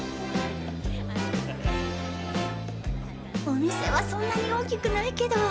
お店はそんなに大きくないけど。